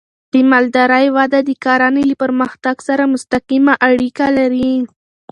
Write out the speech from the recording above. د مالدارۍ وده د کرنې له پرمختګ سره مستقیمه اړیکه لري.